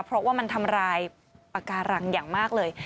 เพราะว่ามันทำลายปากการังอย่างมากเลย